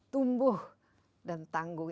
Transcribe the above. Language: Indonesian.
tumbuh dan tanggung